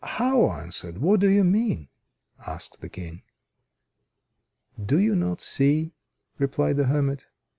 "How answered? What do you mean?" asked the King. "Do you not see," replied the hermit.